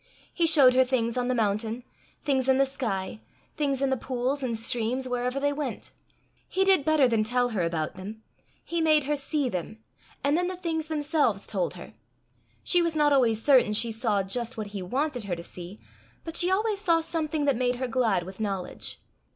He showed her things on the mountain, things in the sky, things in the pools and streams wherever they went. He did better than tell her about them; he made her see them, and then the things themselves told her. She was not always certain she saw just what he wanted her to see, but she always saw something that made her glad with knowledge.